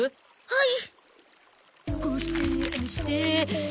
はい！